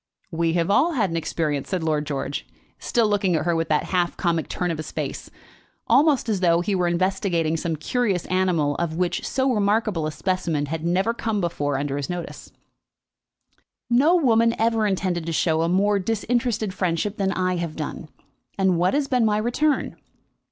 "We have all had an experience," said Lord George, still looking at her with that half comic turn of his face, almost as though he were investigating some curious animal of which so remarkable a specimen had never before come under his notice. "No woman ever intended to show a more disinterested friendship than I have done; and what has been my return?"